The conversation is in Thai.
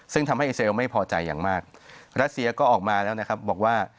ซึ่งทำให้อิเซลไม่พอใจอย่างมากรัสเซียก็ออกมาแล้วนะครับบอกว่า